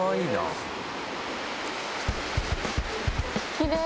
きれい。